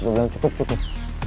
gue bilang cukup cukup